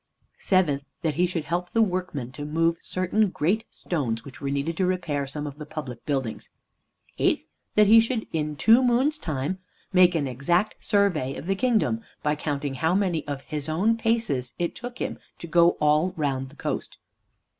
Seventh, that he should help the workmen to move certain great stones which were needed to repair some of the public buildings. Eighth, that he should in "two moons' time" make an exact survey of the kingdom, by counting how many of his own paces it took him to go all round the coast.